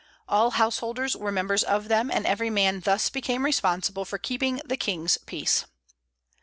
All householders were members of them, and every man thus became responsible for keeping the king's peace."